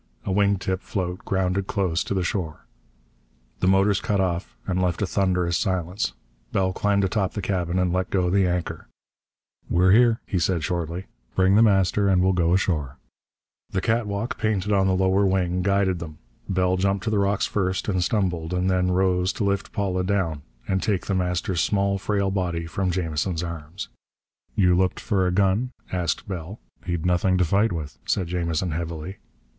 A wing tip float grounded close to the shore. The motors cut off and left a thunderous silence. Bell climbed atop the cabin and let go the anchor. "We're here," he said shortly. "Bring The Master and we'll go ashore." The catwalk painted on the lower wing guided them. Bell jumped to the rocks first, and stumbled, and then rose to lift Paula down and take The Master's small, frail body from Jamison's arms. "You looked for a gun?" asked Bell "He'd nothing to fight with," said Jamison heavily.